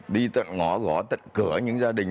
đi ngõ gõ tận cửa những gia đình